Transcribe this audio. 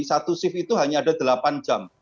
satu shift itu hanya ada delapan jam